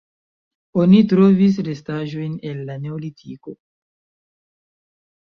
Oni trovis restaĵojn el la neolitiko.